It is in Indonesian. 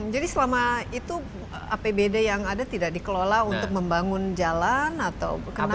jadi selama itu apbd yang ada tidak dikelola untuk membangun jalan atau kenapa